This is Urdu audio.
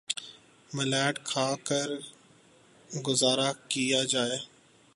ملیٹ کھا کر گزارہ کیا جائے